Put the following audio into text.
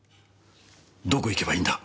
どこへ行けばいいんだ？